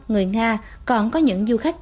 người nga còn có những du khách